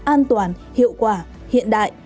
an toàn hiệu quả hiện đại